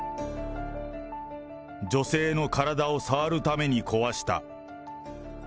女性の体を触るために壊した。